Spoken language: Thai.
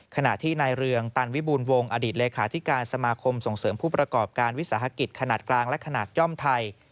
ขณะที่นายเรืองตันวิบูรณวงศ์อดีตเลขาธิการสมาคมส่งเสริมผู้ประกอบการวิสาหกิจขนาดกลางและขนาดย่อมไทย